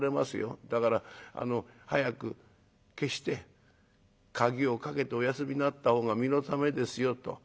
だから早く消して鍵を掛けてお休みになった方が身のためですよ』と。